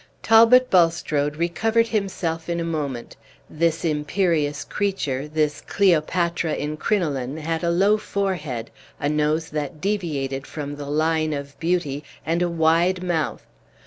Talbot Bulstrode recovered himself in a moment. This imperious creature, this Cleopatra in crinoline, had a low forehead, a nose that deviated from the line of beauty, and a wide mouth.